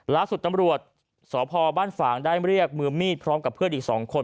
ล่าสุดตำรวจสพบ้านฝ่างได้เรียกมือมีดพร้อมกับเพื่อนอีก๒คน